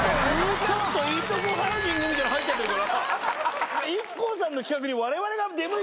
「ちょっといいとこハウジング」みたいなの入っちゃってるから。